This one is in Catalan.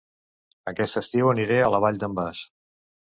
Aquest estiu aniré a La Vall d'en Bas